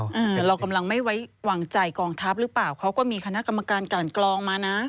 แต่เรากำลังไม่ไว้วางใจกองทัพหรือเปล่าเขาก็มีคณะกรรมการกันกรองมานะ